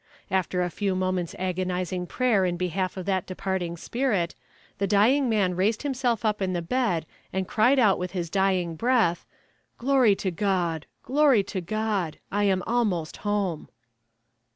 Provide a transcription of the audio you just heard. After a few moments' agonizing prayer in behalf of that departing spirit, the dying man raised himself up in the bed and cried out with his dying breath, "Glory to God! Glory to God! I am almost home!"